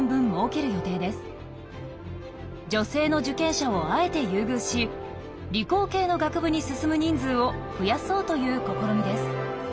女性の受験者をあえて優遇し理工系の学部に進む人数を増やそうという試みです。